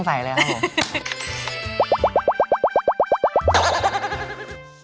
ดีแล้วเนี่ยหุ้มใสเลยครับผม